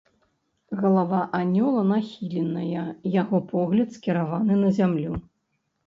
Галава анёла нахіленая, яго погляд скіраваны на зямлю.